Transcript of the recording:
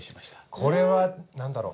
これは何だろう？